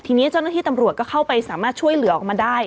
ทีนี้เจ้าหน้าที่ตำรวจก็เข้าไปสามารถช่วยเหลือออกมาได้